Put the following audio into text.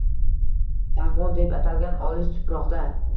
Afg‘on deb atalgan olis tuproqda